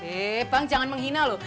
eh bang jangan menghina loh